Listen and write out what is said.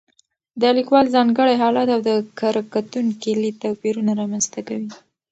د لیکوال ځانګړی حالت او د کره کتونکي لید توپیرونه رامنځته کوي.